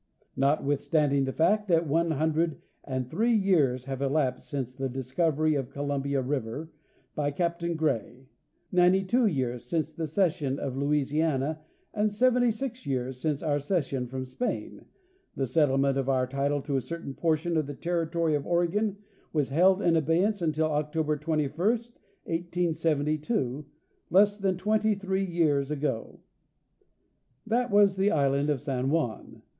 Notwithstanding the fact that one hundred and three years have elapsed since the discovery of Columbia river by Cap tain Gray, ninety two years since the cession of Louisiana, and seventy six years since our cession from Spain, the settlement of our title to a certain portion of the territory of Oregon was held in abeyance until October 21, 1872, less than twenty three years ago. That was the island of San Juan.